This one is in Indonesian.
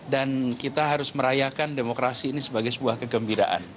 dan kita harus merayakan demokrasi ini sebagai sebuah kegembiraan